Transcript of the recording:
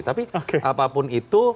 tapi apapun itu